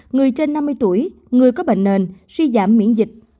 người trên năm mươi tuổi người có bệnh nền suy giảm miễn dịch